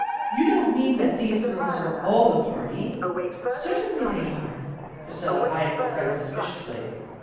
" You don't mean that these girls are all the party." " Certainly they're all." Priscilla eyed her friend suspiciously.